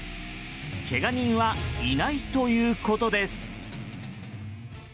けが人はいないということです。